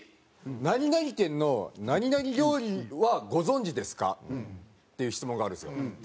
「１何々店の何々料理はご存じですか？」っていう質問があるんですよ。